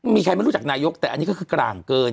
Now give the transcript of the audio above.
มีใครไม่รู้จักนายกแต่อันนี้ก็คือกลางเกิน